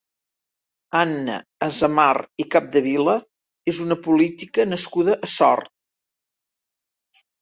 Anna Azamar i Capdevila és una política nascuda a Sort.